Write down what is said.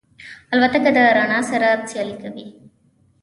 الوتکه د رڼا سره سیالي کوي.